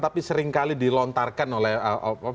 tapi seringkali dilontarkan oleh mas masyid